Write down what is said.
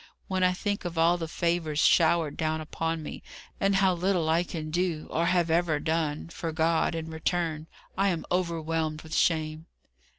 When I think of all the favours showered down upon me, and how little I can do, or have ever done, for God, in return, I am overwhelmed with shame."